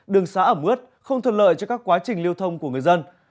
đường xá ẩm ướt không thuận lợi cho các quá trình lưu thông của người dân